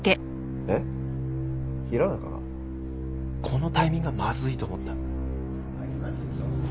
このタイミングはまずいと思った。